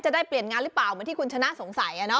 จะได้เปลี่ยนงานหรือเปล่าเหมือนที่คุณชนะสงสัย